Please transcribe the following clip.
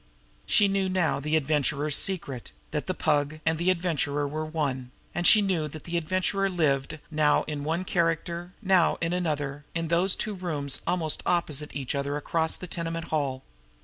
She knew now the Adventurer's secret, that the Pug and the Adventurer were one; and she knew where the Adventurer lived, now in one character, now in the other, in those two rooms almost opposite each other across that tenement hall.